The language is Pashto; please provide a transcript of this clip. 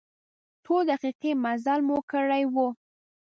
څو دقیقې مزل مو کړی و.